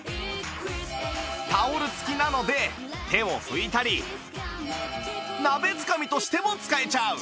タオル付きなので手を拭いたり鍋つかみとしても使えちゃう